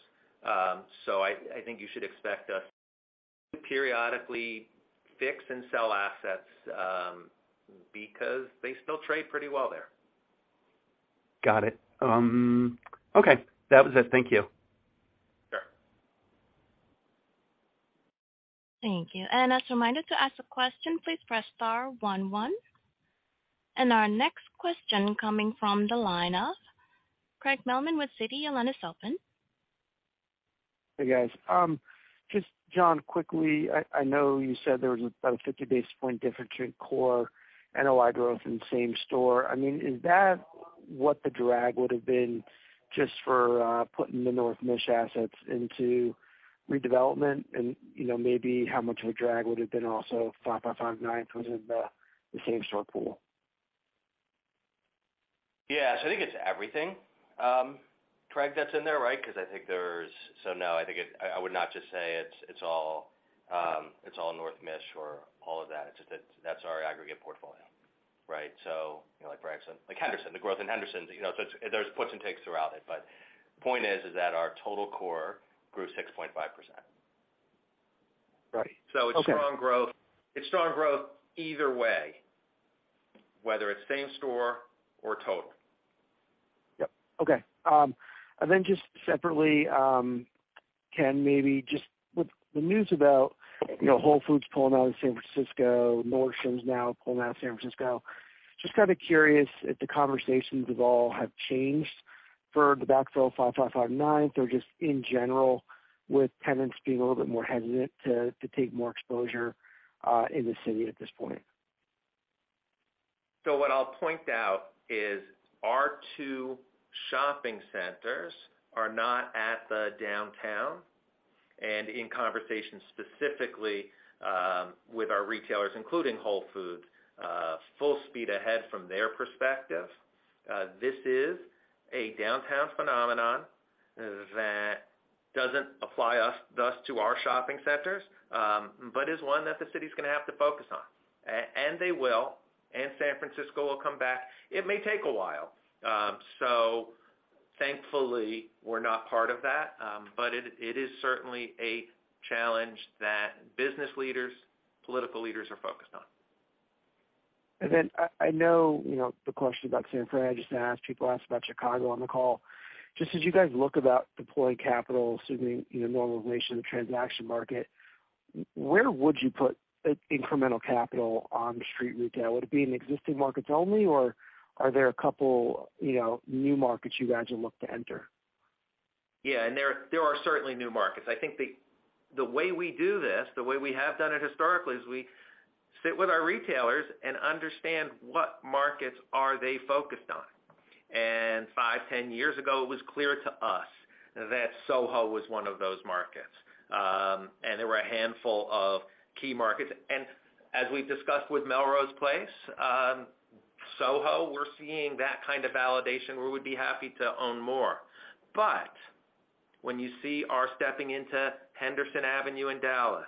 I think you should expect us periodically fix and sell assets, because they still trade pretty well there. Got it. Okay. That was it. Thank you. Sure. Thank you. As a reminder to ask a question, please press star one one. Our next question coming from the line of Craig Mailman with Citi. Your line is open. Hey, guys. just John, quickly, I know you said there was about a 50 basis point difference between core NOI growth and same store. I mean, is that what the drag would have been just for putting the North Michigan assets into redevelopment? You know, maybe how much of a drag would have been also 555 Ninth was in the same store pool. I think it's everything, Craig, that's in there, right? I think No, I think I would not just say it's all, it's all North Michigan or all of that. It's just that's our aggregate portfolio, right? You know, like for instance, Henderson, the growth in Henderson, you know. There's puts and takes throughout it, but point is that our total core grew 6.5%. Right. Okay. It's strong growth. It's strong growth either way, whether it's same store or total. Yep. Okay. Just separately, Ken, maybe just with the news about, you know, Whole Foods pulling out of San Francisco, Nordstrom now pulling out of San Francisco. Just kind of curious if the conversations at all have changed for the backfill of 555 Ninth or just in general, with tenants being a little bit more hesitant to take more exposure in the city at this point. What I'll point out is our two shopping centers are not at the downtown and in conversations specifically, with our retailers, including Whole Foods, full speed ahead from their perspective. This is a downtown phenomenon that doesn't apply us, thus to our shopping centers, but is one that the city's gonna have to focus on. They will, and San Francisco will come back. It may take a while. Thankfully, we're not part of that. It is certainly a challenge that business leaders, political leaders are focused on. I know, you know, the question about San Fran. I just gonna ask, people ask about Chicago on the call. Just as you guys look about deploying capital assuming, you know, normalization of the transaction market, where would you put incremental capital on the street retail? Would it be in existing markets only, or are there a couple, you know, new markets you guys would look to enter? Yeah. There are certainly new markets. I think the way we do this, the way we have done it historically, is we sit with our retailers and understand what markets are they focused on. 5, 10 years ago, it was clear to us that SoHo was one of those markets. There were a handful of key markets. As we've discussed with Melrose Place, SoHo, we're seeing that kind of validation where we'd be happy to own more. When you see our stepping into Henderson Avenue in Dallas,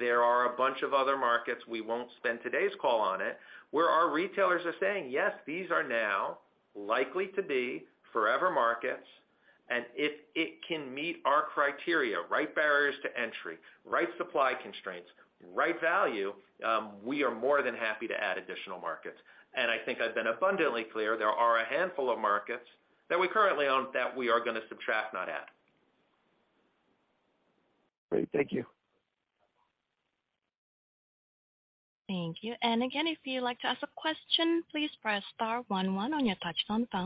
there are a bunch of other markets we won't spend today's call on it, where our retailers are saying, yes, these are now likely to be forever markets. If it can meet our criteria, right barriers to entry, right supply constraints, right value, we are more than happy to add additional markets. I think I've been abundantly clear, there are a handful of markets that we currently own that we are gonna subtract, not add. Great. Thank you. Thank you. Again, if you'd like to ask a question, please press star one one on your touchtone phone.